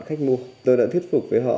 khách mua tôi đã thuyết phục với họ